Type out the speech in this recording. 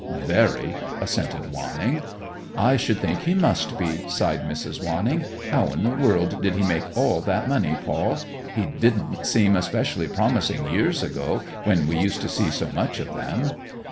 "Very," assented Wanning. "I should think he must be!" sighed Mrs. Wanning. "How in the world did he make all that money, Paul? He didn't seem especially promising years ago, when we used to see so much of them."